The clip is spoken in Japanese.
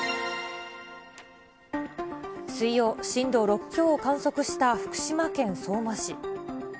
水曜、震度６強を観測した福島県相馬市。